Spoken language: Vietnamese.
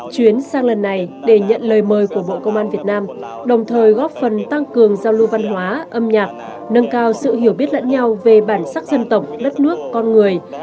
chuyến sang lần này để nhận lời mời của bộ công an việt nam đồng thời góp phần tăng cường giao lưu văn hóa âm nhạc nâng cao sự hiểu biết lẫn nhau về bản sắc dân tộc đất nước con người